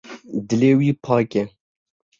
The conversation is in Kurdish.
Dilê wî pak e.